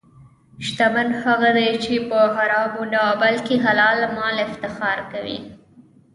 شتمن هغه دی چې په حرامو نه، بلکې حلال مال افتخار کوي.